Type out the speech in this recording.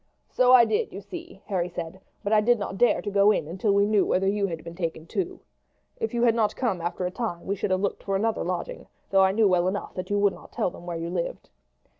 "So I did, you see," Harry said; "but I did not dare to go in until we knew whether you had been taken too. If you had not come after a time we should have looked for another lodging, though I knew well enough that you would not tell them where you lived."